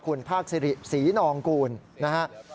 คุณภาคศรีนองกูลนะครับ